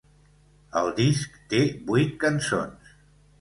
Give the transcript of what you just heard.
El disc té vuit cançons.